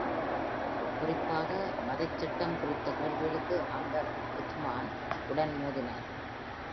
குறிப்பாக, மதச் சட்டம் குறித்த கேள்விகளுக்கு அவர் Uthman உடன் மோதினார்.